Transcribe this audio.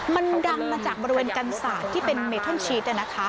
มันดังมาจากบริเวณกันศาสตร์ที่เป็นเมธัลชีส